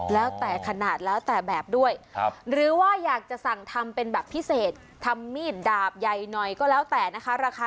แล้วแต่ขนาดแล้วแต่แบบด้วยหรือว่าอยากจะสั่งทำเป็นแบบพิเศษทำมีดดาบใหญ่หน่อยก็แล้วแต่นะคะราคา